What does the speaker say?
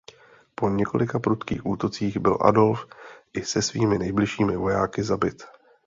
Po několika prudkých útocích byl Adolf i se svými nejbližšími vojáky zabit.